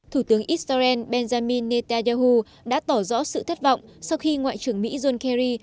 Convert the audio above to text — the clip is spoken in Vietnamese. thủ tướng israel benjamin netanyahu đã tỏ rõ sự thất vọng sau khi ngoại trưởng mỹ john kerry